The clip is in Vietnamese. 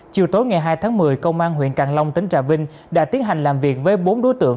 chiều tối ngày hai tháng một mươi công an huyện càng long tỉnh trà vinh đã tiến hành làm việc với bốn đối tượng